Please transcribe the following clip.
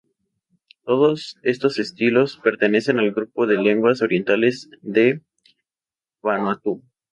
Todos estos idiomas pertenecen al grupo de lenguas orientales de Vanuatu.